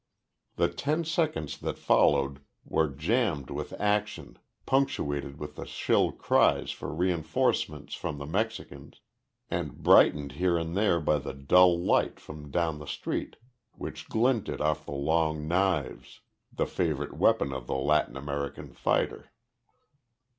The ten seconds that followed were jammed with action, punctuated with the shrill cries for reinforcements from the Mexicans, and brightened here and there by the dull light from down the street which glinted off the long knives the favorite weapon of the Latin American fighter.